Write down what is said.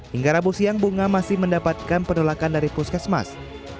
hingga rabu siang bunga masih mendapatkan penolakan dari puskesmas